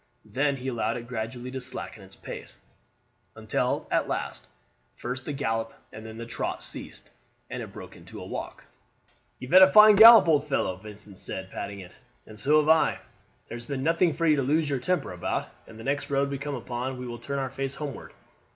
Then he allowed it gradually to slacken its pace, until at last first the gallop and then the trot ceased, and it broke into a walk. "You have had a fine gallop, old fellow," Vincent said, patting it; "and so have I. There's been nothing for you to lose your temper about, and the next road we come upon we will turn our face homeward.